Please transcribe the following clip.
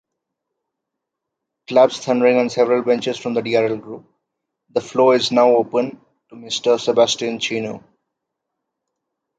(Claps thundering on several benches from the DRL group.) The floor is now open to Mr. Sébastien Chenu.